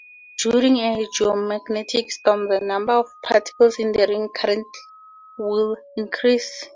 During a geomagnetic storm, the number of particles in the ring current will increase.